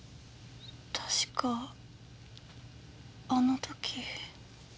確かあの時。